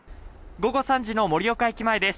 午後３時の盛岡駅前です。